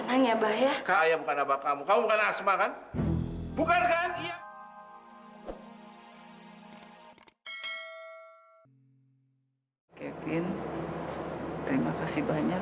iya nggak apa apa ambu juga sudah sembuh ya